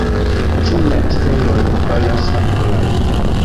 Ĉu la steloj falas ankoraŭ?